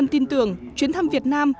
ngân tin tưởng chuyến thăm việt nam